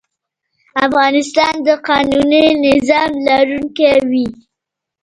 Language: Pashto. افغانستان د قانوني نظام لرونکی وي.